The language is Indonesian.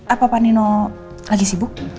apa pak nino lagi sibuk